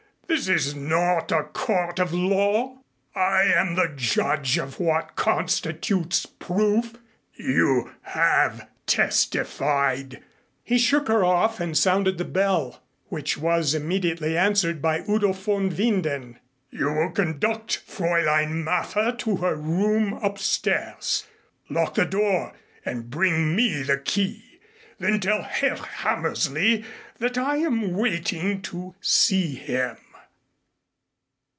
This is not a court of law! I am the judge of what constitutes proof. You have testified." He shook her off and sounded the bell, which was immediately answered by Udo von Winden. "You will conduct Fräulein Mather to her room upstairs. Lock the door and bring me the key. Then tell Herr Hammersley that I am waiting to see him."